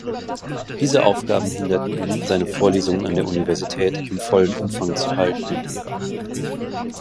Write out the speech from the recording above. Diese Aufgaben hinderten ihn, seine Vorlesungen an der Universität im vollen Umfang zu halten.